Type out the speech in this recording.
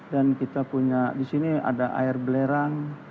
kita punya di sini ada air belerang